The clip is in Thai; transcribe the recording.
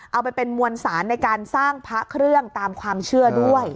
เอาไปเป็นมวลสารในการสร้างพระเครื่องตามความเชื่อด้วย